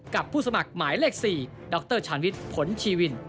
ผู้สมัครหมายเลข๔ดรชาญวิทย์ผลชีวิน